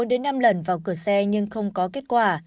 đạp bốn năm lần vào cửa xe nhưng không có kết quả